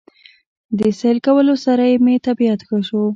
د سېل کولو سره مې طبعيت ښه شو